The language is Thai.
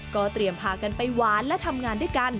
ก็เตรียมพากันไปหวานและทำงานด้วยกัน